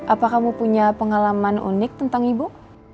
apa kamu punya pengalaman unik tentang ibu